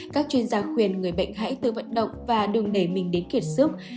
các chuyên gia khuyên người bệnh hãy tự vận động và đừng để mình đến kiệt sức